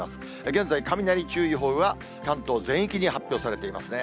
現在、雷注意報は関東全域に発表されていますね。